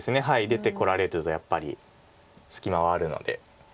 出てこられるとやっぱり隙間はあるので。